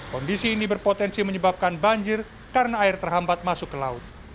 kondisi ini berpotensi menyebabkan banjir karena air terhambat masuk ke laut